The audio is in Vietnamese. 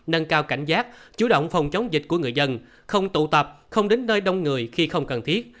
nâng cao cảnh giác chủ động phòng chống dịch của người dân không tụ tập không đến nơi đông người khi không cần thiết